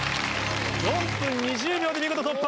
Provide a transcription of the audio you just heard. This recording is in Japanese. ４分２０秒で見事突破。